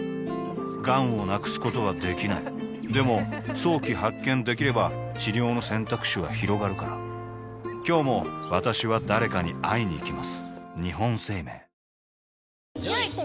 がんを無くすことはできないでも早期発見できれば治療の選択肢はひろがるから今日も私は誰かに会いにいきます